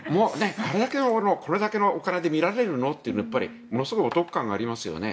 これだけのお金で見られるのはものすごいお得感がありますよね。